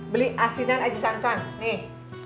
beli asinan aji sansan nih